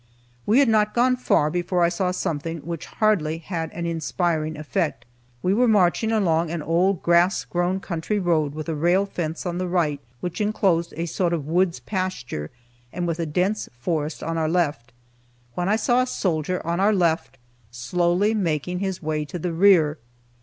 We had not gone far before I saw something which hardly had an inspiring effect. We were marching along an old, grass grown country road, with a rail fence on the right which enclosed a sort of woods pasture, and with a dense forest on our left, when I saw a soldier on our left, slowly making his way to the rear.